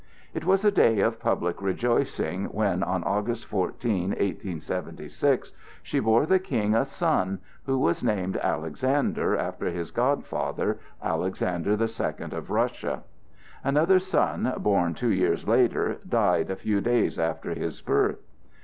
It was a day of public rejoicing, when on August 14, 1876, she bore the King a son, who was named Alexander after his godfather, Alexander the Second of Russia. Another son, born two years later, died a few days after his birth.